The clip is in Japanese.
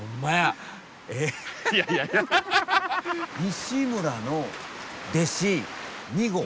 「西村の弟子二号」。